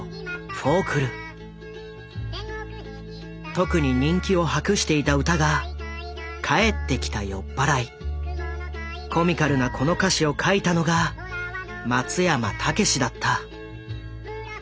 特に人気を博していた歌がコミカルなこの歌詞を書いたのが松山猛だった。